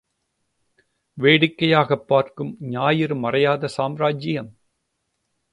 வேடிக்கையா பார்க்கும், ஞாயிறு மறையாத சாம்ராஜ்யம்?